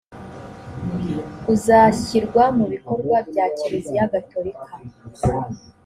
uzashyirwa mu bikorwa bya kiliziya gatolika